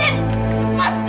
aku mau jalan sendiri